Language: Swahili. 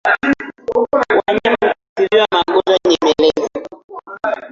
Wanyama hutibiwa magonjwa nyemelezi